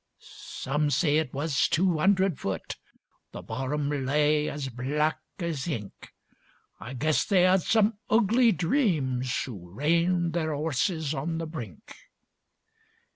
Some say it was two 'undred foot; The bottom lay as black as ink. I guess they 'ad some ugly dreams, Who reined their 'orses on the brink.